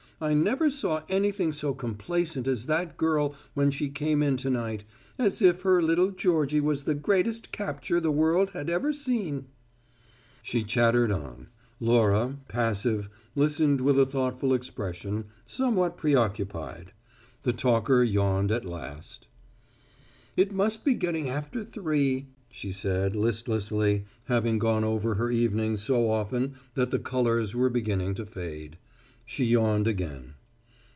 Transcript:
I never saw anything so complacent as that girl when she came in to night, as if her little Georgie was the greatest capture the world had ever seen. ..." She chattered on. Laura, passive, listened with a thoughtful expression, somewhat preoccupied. The talker yawned at last. "It must be after three," she said, listlessly, having gone over her evening so often that the colours were beginning to fade. She yawned again.